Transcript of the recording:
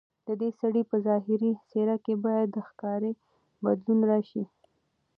ددې سړي په ظاهري څېره کې باید د ښکاري بدلون راشي.